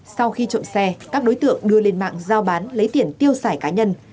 sau khi trộm xe các đối tượng đưa lên mạng giao bán lấy tiền tiêu xài cá nhân